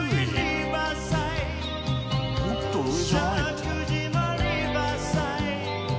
「もっと上じゃないのか」